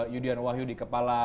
yudhian wahyudi kepala